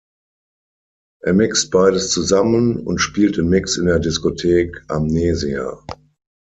Er mixt beides zusammen und spielt den Mix in der Diskothek Amnesia.